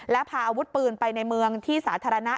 และพาอาวุธปืนไปในเมืองที่สาธารณะ